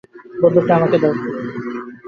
বন্দুকটা আমাকে দাও।